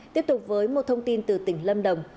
tiếp tục với một thông tin từ tỉnh lâm đồng